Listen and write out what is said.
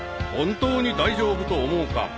本当に大丈夫と思うか］